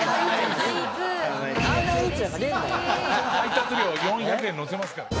配達料４００円乗せますから。